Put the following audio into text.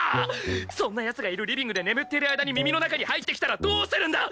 そんな奴がいるリビングで眠っている間に耳の中に入ってきたらどうするんだ！？